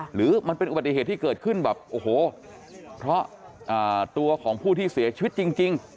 หรือมันเป็นอุบัติเหตุที่เกิดขึ้นแบบโอ้โหเพราะตัวของผู้ที่เสียชีวิตจริง